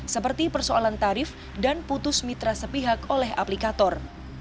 seperti persoalan tarif dan putus mitra sepihak oleh aplikator